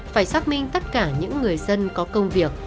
phải xác minh tất cả những người dân có công việc